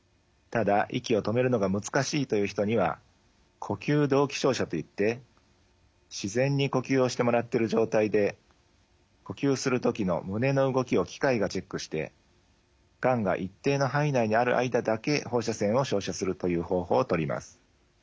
ただ息を止めるのが難しいという人には呼吸同期照射といって自然に呼吸をしてもらってる状態で呼吸する時の胸の動きを機械がチェックしてがんが一定の範囲内にある間だけ放射線を照射するという方法をとります。